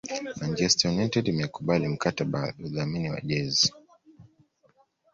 Manchester United imekubali mkataba wa udhamini wa jezi